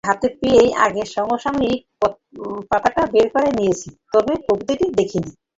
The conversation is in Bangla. পত্রিকা হাতে পেয়েই আগে সাময়িকীর পাতাটা বের করে নিয়েছিল, তবে কবিতাটি দেখেনি।